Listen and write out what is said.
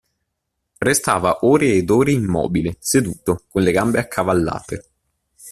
Restava ore ed ore immobile, seduto, con le gambe accavallate.